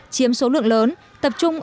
chiếm số lượng lớn tập trung